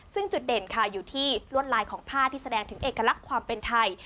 ซึ่งจุดเด่นค่ะอยู่ที่ลวดลายของผ้าที่แสดงถึงเอกลักษณ์ความเป็นไทย